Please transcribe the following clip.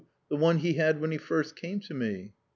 The one he had when he first came to me."